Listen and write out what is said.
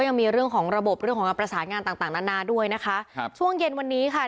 ระบบเรื่องของการประสานงานต่างนานาด้วยนะคะช่วงเย็นวันนี้ค่ะ